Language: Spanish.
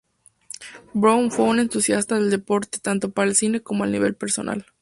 Brown fue un entusiasta del deporte, tanto en el cine como a nivel personal.